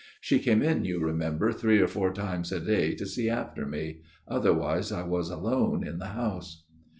(She came in, you remem ber, three or four times a day to see after me : otherwise I was alone in the house.)